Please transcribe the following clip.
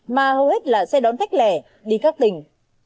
mà hầu hết là xe đón khách lẻ đi các tỉnh